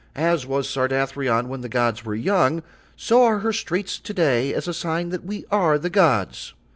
As was Sardathrion when the gods were young, so are her streets to day as a sign that we are the gods."